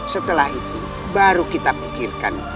setelah itu baru kita pikirkan